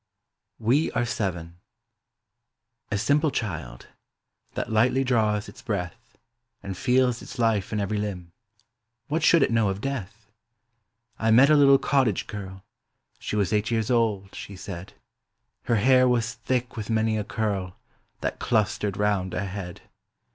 WE ARE SEVEN. A simple child. That lightly draws its breath, And feels its life in every limb. What should it know of death? I met a little cottage girl : She was eight years old, she said; Her hair was thick with many a curl That clustered round her head.